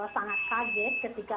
sangat kaget ketika